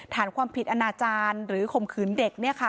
ฐานความผิดอนาจารย์หรือข่มขืนเด็ก